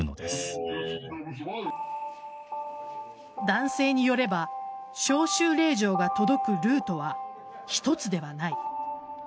男性によれば招集令状が届くルートは一つではない。